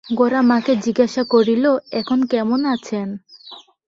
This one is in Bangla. গোরা মাকে জিজ্ঞাসা করিল, এখন কেমন আছেন?